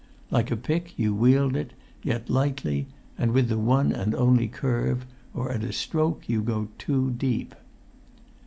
Like a pick you wield it, yet lightly and with the one and only curve, or at a stroke you go too deep.